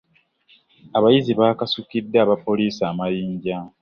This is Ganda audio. Abayizi baakasukidde aba poliisi amayinja.